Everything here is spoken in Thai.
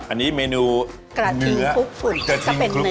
อันนี้เมนูเนื้อกระทิงคลุกฝุ่น